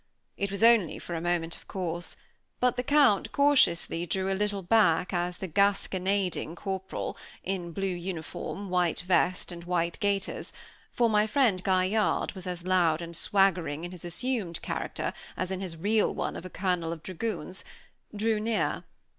It was only for a moment, of course; but the count cautiously drew a little back as the gasconading corporal, in blue uniform, white vest, and white gaiters for my friend Gaillarde was as loud and swaggering in his assumed character as in his real one of a colonel of dragoons drew near.